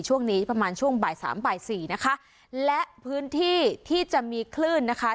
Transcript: ช่วงนี้ประมาณช่วงบ่ายสามบ่ายสี่นะคะและพื้นที่ที่จะมีคลื่นนะคะ